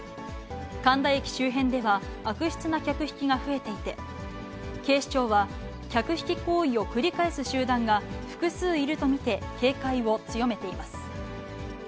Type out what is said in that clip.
神田駅周辺では悪質な客引きが増えていて、警視庁は、客引き行為を繰り返す集団が複数いると見て、警戒を強めています。